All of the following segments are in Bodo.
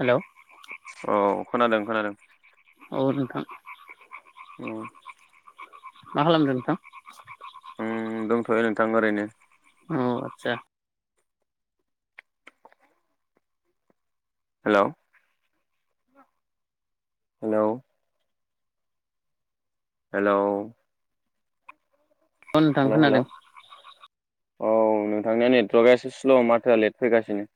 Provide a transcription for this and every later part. हेलौ औ खोनादों खोनादों। औ नोंथां। अ मा खालामदों नोंथां? उम दंथ'यो नोंथां ओरैनो। अ आतसा। हेलौ हेलौ हेलौ अ नोंथां हेलौ हेलौ खोनादों। औ नोंथांनिया नेटवर्कआ एसे स्ल' माथोआ लेट फैगासिनो।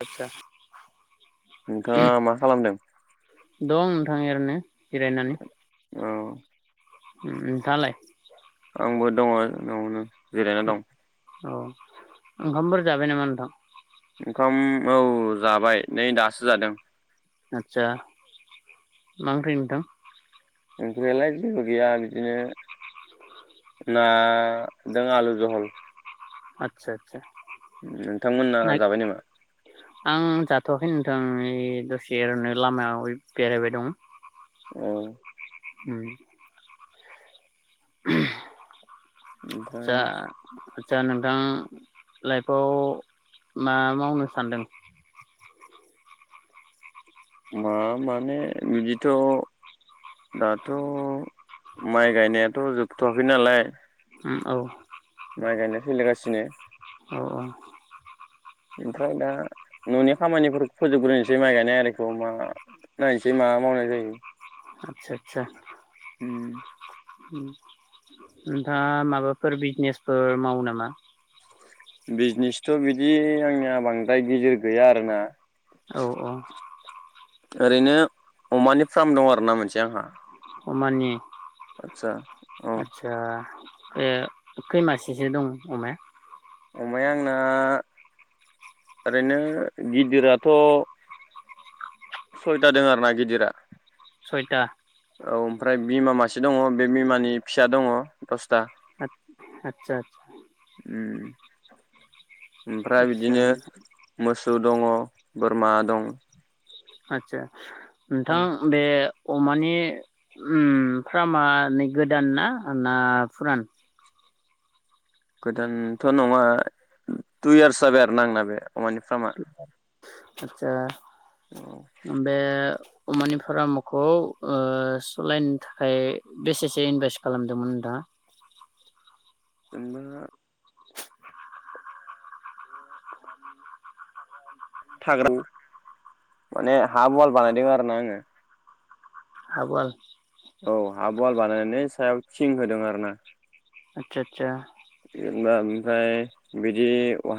आतसा। नोंथाङा मा खालामदों? दं नोंथां एरैनो जिरायनानै। औ। उम नोंथां आलाय? आंबो दङ न'आवनो जिरायना दं। औ ओंखामफोर जाबाय नामा नोंथां? ओंखाम औ जाबाय नै दासो जादों। आतसा मा ओंख्रै नोंथां? ओंख्रियालाय जेबो गैया बिदिनो ना दों आलु जहल। आतसा आतसा। नोंथांमोनना जाबाय नामा? आं जाथ'वाखै नोंथां ओइ दसे ओरैनो लामायाव बेरायबाय दं। ओ उम [inaudible] ओमफ्राय जा जा नों दा लाइफआव मा मावनो सानदों। मा माने बिदिथ' दाथ' माइ गायनायाथ' जोबथ'वाखै नालाय। उम औ। माइ गायनाय सोलिगासिनो। अ। ओमफ्राय दा न'नि खामानिफोरखौ फोजोबग्रोनोसै माइ गायनाय आरिखौ मा नायनोसै मा मावनाय जायो। आतसा आतसा। उम। नोंथाङा माबाफोर बिजिनेसफोर मावो नामा। बिजिनेसथ' बिदि आंनिया बांद्राय गेजेर गैया आरोना। औ औ। ओरैनो अमानि फार्म दं आरो ना मोनसे आंहा। अमानि। आदसा औ आतसा। ए खैमासेसो दं अमाया। अमाया आंना ओरैनो गिदिराथ' सयथा दं आरोना गिदिरा। सयथा औ ओमफ्राय। बिमा मासे दङ बे बिमानि फिसा दङ। दसथा आदसा उम। ओमफ्राय आदसा बिदिनो मोसौ दङ बोरमा दं। आदसा। नोंथां बे अमानि उम फार्मा नै गोदान ना ना फुरा गोदान थ' नङा टु इयार्स जाबाय आरो आंना बे अमानि फार्मा। आदसा औ बे अमानि फार्मखौ ओ सलायनो थाखाय बेसेसो इनभेस्ट खालामदोंमोन नोंथाङा। उम मा थाग्रा माने हाब अवाल बानायदों आरो ना आङो। हाब अवाल। औ हाबवाल बानायनायनै सायाव थिं होदों आरो ना। आतसा आतसा। जेनेबा ओमफ्राय बिदि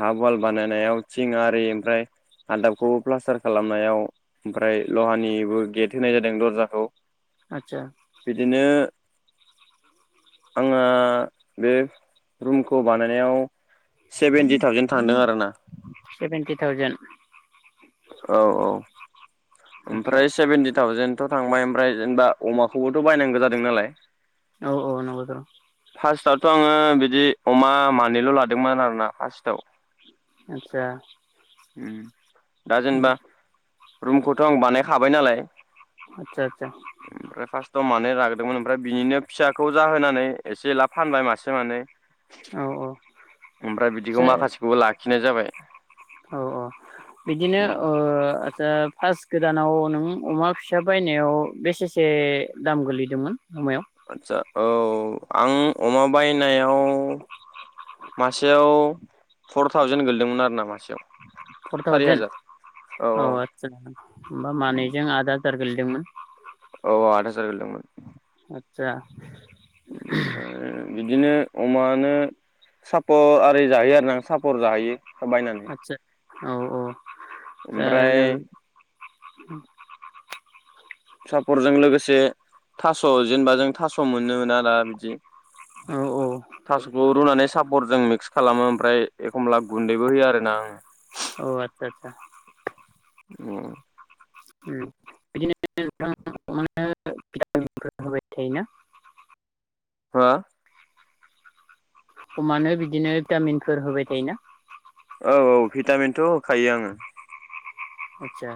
हाब अवाल बानायनायाव थिं आरि ओमफ्राय हादाबखौ प्लास्टार खालामनायाव ओमफ्राय लहानिबो गेट होनाय जादों दरजाखौ। आतसा। दिनो आङो बे। रुमखौ बानायनायाव सेभेेनटि थावजेन थांदों आरो ना। Seventy thousand. औ औ। आदसा ओमफ्राय सेभेेनटि थावजेेन थ' थांबाय ओमफ्राय जेनबा अमाखौबोथ' बायनांगो जादों नालाय। औ औ नंगौथर। फासटआवथ' आङो बिदि अमा मानैल' लादोंमोन आरोना फास्टआव। आदसा। उम। दाजेनबा। रुमखौथ आं बानायखाबाय नालाय। आदसा आदसा। थ मानै लाग्रोदोंमोन ओमफ्राय बिनिनो फिसाखौ जाहोनानै। एसे एला फानबाय मासे मानै। औ औ ओमफ्राय बिदिखौ आदसा माखासेखौबो लाख खिनाय जाबाय। औ औ बिदिनो औ ओ। दा फास्ट गोदानाव नों अमा फिसा बायनायाव बेसेसे दाम गोलैदोंमोन अमायाव। आदसा औ आं अमा बायनायाव मासेयाव फर थावजेन गोलैदोंमोन आरो ना मासेयाव। फर सारि थावजेेन हाजार औ आदसा होमबा औ मानैजों आद हाजार। गोेलैदोंमोन। जार गोलैदोंमोन। आदसा। ओमफ्राय बिदिनो अमानो सापर आरि जाहैयो आरो ना सापर जाहैयो। [unintelligible] बायनानै। आदसा औ औ। ओ ओमफ्राय नों [inaudible] सापरजों लोगोसे थास जेनेबा जों थास मोनोना दा बिदि। औ थासखौ रुनानै। सापर जों मिक्स खालामो ओमफ्राय एखमब्ला गुन्दैबो होयो आरो ना आं। औ आतसा आतसा। उम। बिदिनो [unintelligible] थायोना। हो ख [unintelligible] औ औ भिटामिनथ होखायो आङो। आतसा।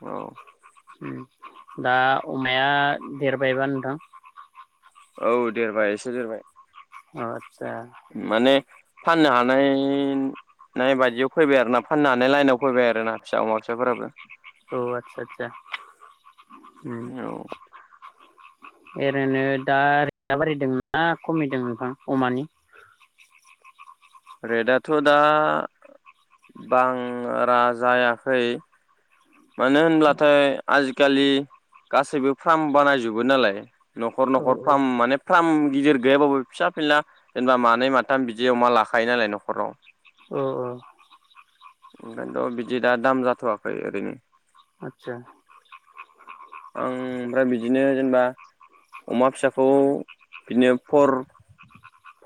औ। उम दा अमाया देरबायबा नोंथां। औ देरबाय एसे देरबाय। ओ माने। फाननो हानाय नाय बायदियाव फैबाय आरो ना फाननो हानाय लाइनाव फैबाय आरो ना फिसा अमा फिसाफोराबो। औ आतसा आतसा। औ। ओरैनो दा रेटआ बारै दोंना खमिदों नोंथां अमानि? रेटआथ' दा बांरा जायाखै। मानो होनब्लाथाय। आजिखालि न'खर औ न'खर फ्राम माने फ्राम। गिदिर गैयाबाबो फिसा फिनला जेनेबा मानै माथाम बिदि अमा लाखायो नालाय न'खराव। औ-औ। ओंखायनोथ' बिदि दा दाम जाथ'वाखै ओरैनो। आतसा। आं ओमफ्राय बिदिनो जेनेबा अमा फिसाखौ बिदिनो four.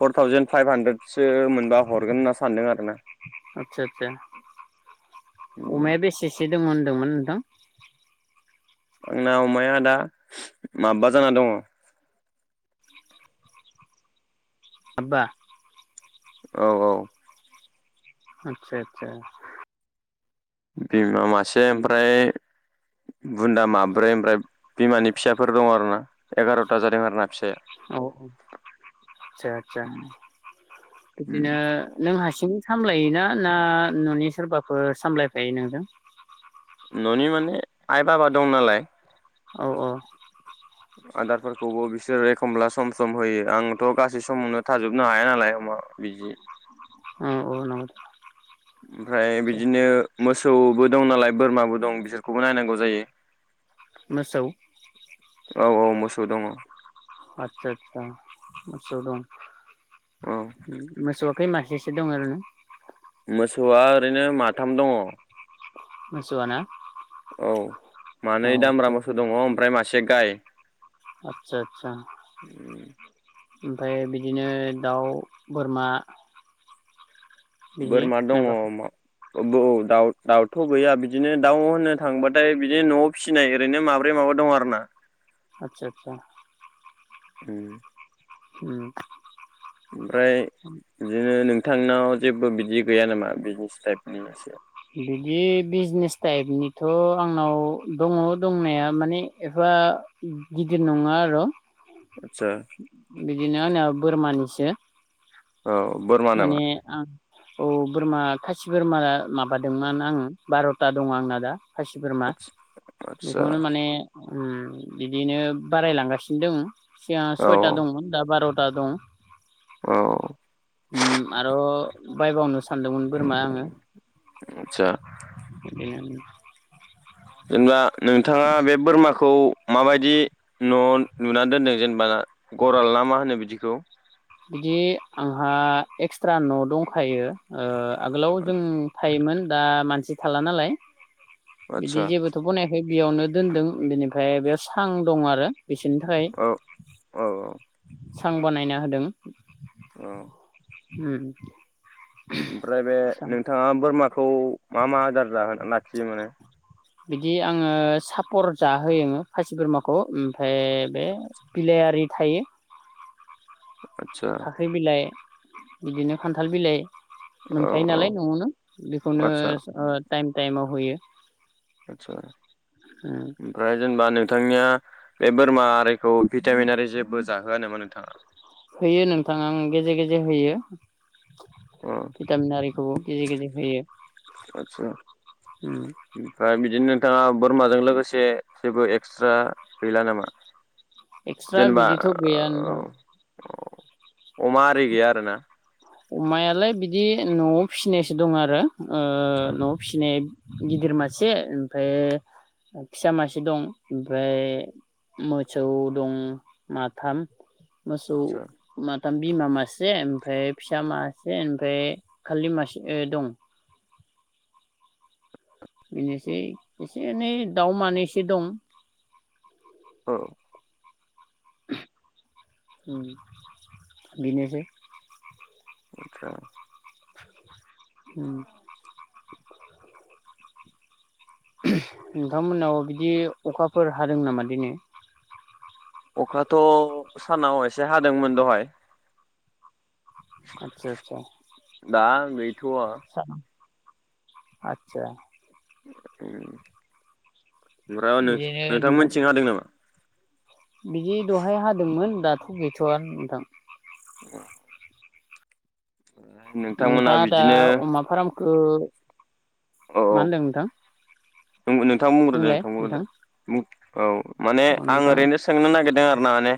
Four thousand five hundred. सो मोनबा हरगोन होनना सानदों आरोना। आदसा आदसा होनदोंमोन होनदोंमोन नोंथां। आंना अमाया दा माबबा जाना दङ। माबा। औ- औ। आतसा आतसा। बिमा मासे ओमफ्राय बुन्दा माब्रै ओमफ्राय बिमानि फिसाफोर दङ आरो ना एगार'था जादों आरोना। फिसाया औ औ आदसा आतसा बिदिनो नों हासि। थाम खम लायोना ना न'नि सोरबाफोर सामलायफायो नोंजों? न'नि माने आइ बाबा दं नालाय औ औ। आदारफोरखौबो बिसोर एखमब्ला सम सम होयो आंथ' गासै समावनो थाजोबनो हाया नालाय अमाखौ बिदि उम अ नंगौ ओमफ्राय आदसा बिदिनो मोसौबो दं नालाय बोरमाबो दं बिसोरखौबो नायनांगौ जायो। मोसौ औ औ मोसौ दङ'। आतसा आतसा मोसौ दं। औ मोसौआ खै मासेसो दं ओरैनो? मोसौआ ओरैनो माथाम दङ'। मोसौआना? औ मानै दामब्रा मोसौ दङ' ओमफ्राय मासे से गाय। आतसा आतसा। ओमफ्राय बिदिनो दाउ बोरमा बिदि बोरमा दङ' मायबा मा ब औ दाउ दाउथ' गैया बिदिनो दाउ होननो थांबाथाय बिदिनो न'आव फिसिनाय ओरैनो माब्रै माबा दं आरो ना । आतसा आतसा । उम्म। उम्म। ओमफ्राय बिदिनो नों थांनाव जेबो बिदि गैया नामा बिजनेस टाइपनि एसे बिदि बिजनेस टाइपनिथ' आंनाव दङ' दंनाया माने एफा गिदिर नङा आर' । आदसा बिदि नो आंना बोरमानिस [unintelligible] औ बोरमा नामा माने आ अ' । बोरमा खासि बोरमा माबा दोंमोन आंङो बार'था दङ' आंना दा । खासि बोरमा आदसा बेखौनो माने उम्म बिदिनो बारायलांगासिनो दों। सिगां औ सयथा दंमोन दा बार'थ था दं। औ । आरो बायबावनो सा सानदोंमोन बोरमा आंङो आदसा । बेनो जेनेबा नोंथाङा बे बोरमाखौ माबायदि न' नुनानै दोनदों जेनेबा गराल ना मा होनो बिदिखौ? बिदि आंहा एक्सट्रा न' दंखायो ओ आगोलाव जों थायोमोन । दा मानसि थाला नालाय । बिदि आदसा जेबोथ बनायाखै बेयावनो दोनदों बेनिफ्राय बेयाव सां दं आरो । बेसोरनि थाखाय औ औ औ सां बानायना होदों ‌। अ । उम्म। ओमफ्राय बे नोंथाङा बोरमा खौ मा मा आदार [unintelligible] बिदि आंङो सापर जाहोयो खासि बोरमाखौ ओमफफ्राय बे बिलायारि थायो । आदसा फाख्रि बिलाय, बिदिनो खान्थाल बिलाइ। औ मोनखायो औ नालाय न'आवनो, बेखौनो टाइम टाइमाव होयो। आतसा ओमफ्राय जों बानाय नोंथांनिया बे बोरमा आरिखौ भिटामिनारि जेबो जाहोआ नामा नोंथाङा? होयो नोंथाङा आं गेजेर गेजेर होयो। अ भिटामिनारिखौबो गेजेर गेजेर होयो। आदसा ओमफ्राय बिदिनो नोंथाङा बोरमाजों लोगोसे जेबो एक्सट्रा गैला नामा? एक्सट्रा जेनेबा बिदिथ गैया नोंथां। औ अमा आरि गैया आरो ना? अमायालाय बिदि न'आव फिसिनायसो दं आरो। ओ न'आव फिसिनाय गिदिर मासे ओमफ्राय, फिसा मासे दं, ओमफ्राय मोसौ दं माथाम। मोसौ आदसा मा दाम्ब्रि बिमा मासे ओमफ्राय फिसा मासे ओमफ्राय खालि मासे दं। बेनोसै एसे एनै दाउमानैसो दं। औ। बिनोसै। आतसा। औ। नोंथांमोनाव बिदि अखाफोर हादों नामा दिैनै? अखाथ' सानाव एसे हादोंमोन दहाय। आतसा आतसा। दा गै थ'वा आचसा। उम। ओमफ्राय बिदिनो नोंथां नोंथांमोननिथिं हादों नामा? बिदि दहाय हादोंमोन दाथ' गैथ'आ नोंथां। औ। नोंथाङा दा बिदिनो अमा फार्म। ओ। औ मा ओनदों नोंथां? नोंथां बुंग्रोदो नोंथां बुंग्रोदो बुं। औ। माने अ आं नोंथां ओरैनो सोंनो नागिरदों आरो ना माने‌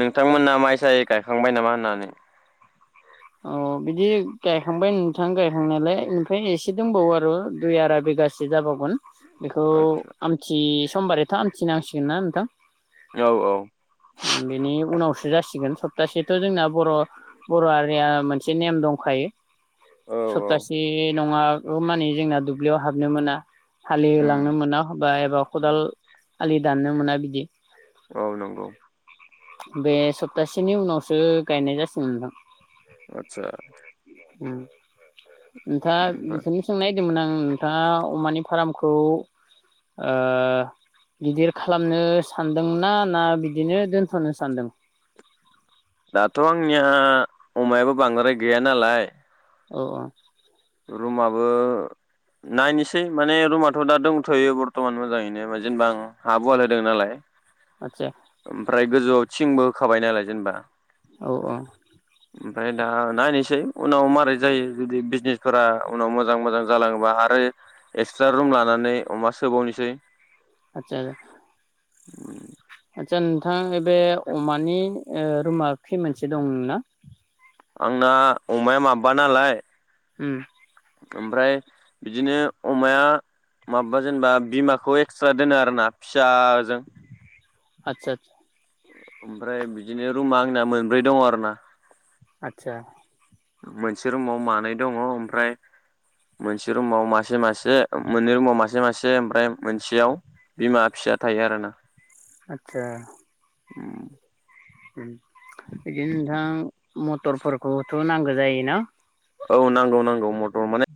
नोंथांमोना माइसाय गायखांबाय नामा होननानै। अ बिदि गायखांबाय नोंथां गायखांनायालाय ओमफ्राय एसे दंबावो आरो दुइ आरा बिगासो जाबावगोन। बेखौ आदसा आमथि। समबारैथ' हान्थिनांसिगोन ना नोंथां। औ औ बेनि उनावसो जासिगोन स दासेथ' जोंना बर' बर'आ। मोनसे नेम दंखायो। औ औ सप्तासे नङा। अ माने जोंना दुब्लियाव हाबनो मोना। उम हालिलांनो मोना हबा एबा खदाल आलि दाननो मोना बिदि औ नंगौ। बे सप्तासेनि उनावसो गायनाय जासिगोनदां आतसा। उम। नोंथाङा बेसनि सोंनायदोंमोन आं नोंथाङा अमानि फार्मखौ ओ गिदिर खालामनो सानदोंना ना बिदिनो दोन्थ'नो सानदों। दाथ' आंनिया अमायाबो बांद्राय गैया नालाय। औ औ-। रुमाबो नायनोसै माने रुमाथ' दा दंथ'यो बरथ'मान मोजाङैनो जेनेबा आं हाब अवाल होदों नालाय। आदसा ओमफ्राय गोजौआव। थिंबो होखाबाय नालाय जेनबा। औ ओ-। ओमफ्राय दा नायनोसै उनाव मारै जायो जुदि बिजनेस फोरा उनाव मोजां मोजां जालाङोबा आरो एक्सट्रा रुम लानानै अमा सोबावनोसै। आतसा। उम। आदसा नोंथां बे अमानि ओ रुमा खोय मोनसे दं नोंना। आंना अमाया माबबा नालाय। उम। ओमफ्राय बिदिनो अमाया माबा जेनेबा बिमाखौ एक्सट्रा दोनो आरोना फिसाजों। आतसा आसा। ओमफ्राय बिदिनो रुमा आंना मोनब्रै दङ आरो ना। आदसा। मोनसे रुमाव मानै दङ ओमफ्राय मोनसे रुमाव मासे मासे मोननै रुमाव मासे मासे ओमफ्राय मोनसेयाव बिमा फिसा थायो आरो ना। आदचा। उम। उम। बिदिनो नोंथां मटरफोरखौ खौ नांगौ जायो ना। औ नांगौ नांगौ मथ माने